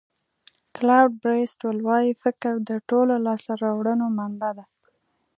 کلوډ بریسټول وایي فکر د ټولو لاسته راوړنو منبع ده.